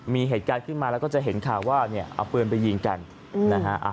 มีเหตุการณ์ขึ้นมาแล้วก็จะเห็นข่าวว่าเนี่ยเอาปืนไปยิงกันนะฮะ